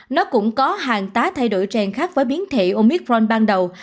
nó cũng có hàng tá thay đổi trang khác với biến thể omicron ban đầu